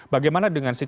bagaimana dengan situasi